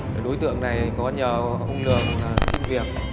đối tượng này có nhờ ông đường xin việc